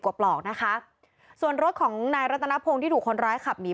ปลอกนะคะส่วนรถของนายรัตนพงศ์ที่ถูกคนร้ายขับหนี